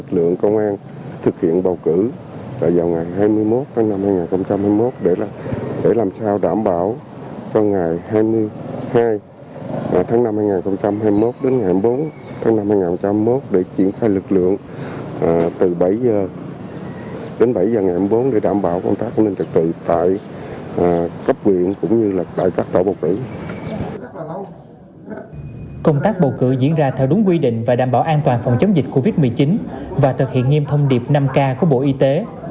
công tác bầu cử diễn ra theo đúng quy định và đảm bảo an toàn phòng chống dịch covid một mươi chín và thực hiện nghiêm thông điệp năm k của bộ y tế